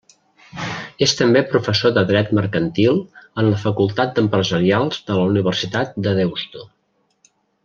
És també professor de Dret Mercantil en la Facultat d'Empresarials de la Universitat de Deusto.